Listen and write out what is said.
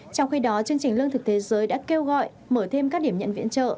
trong khi đó chương trình lương thực thế giới đã kêu gọi mở thêm các điểm nhận viện trợ